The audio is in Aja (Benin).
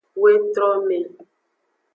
Wetrome.